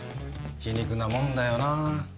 皮肉なもんだよな